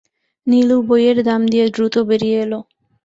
নীলু বইয়ের দাম দিয়ে দ্রুত বেরিয়ে এল।